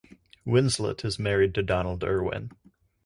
Winslett is married to Donald Irwin.